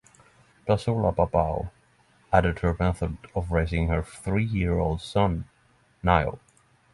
Bersola-Babao added her method of raising her three-year-old son, Nio.